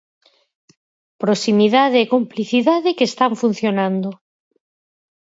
Proximidade e complicidade que está funcionando.